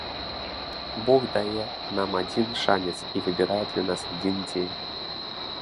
Бог дае нам адзін шанец і выбірае для нас адзін дзень.